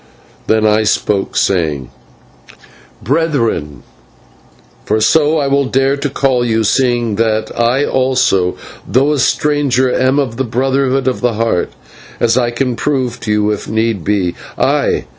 Then I spoke, saying: "Brethren for so I will dare to call you, seeing that I also, though a stranger, am of the Brotherhood of the Heart, as I can prove to you if need be ay!